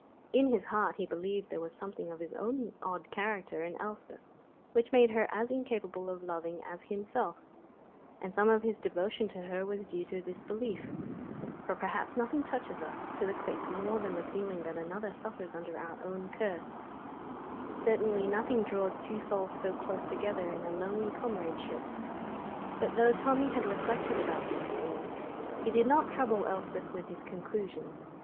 In his heart he believed there was something of his own odd character in Elspeth which made her as incapable of loving as himself, and some of his devotion to her was due to this belief; for perhaps nothing touches us to the quick more than the feeling that another suffers under our own curse; certainly nothing draws two souls so close together in a lonely comradeship. But though Tommy had reflected about these things, he did not trouble Elspeth with his conclusions.